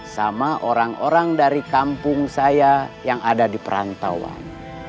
sama orang orang dari kampung saya yang ada di perantauan